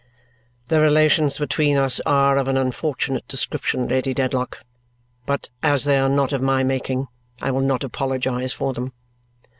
"The relations between us are of an unfortunate description, Lady Dedlock; but as they are not of my making, I will not apologize for them.